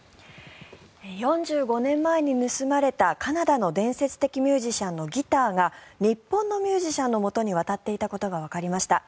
４５年前に盗まれたカナダの伝説的ミュージシャンのギターが日本のミュージシャンのもとに渡っていたことがわかりました。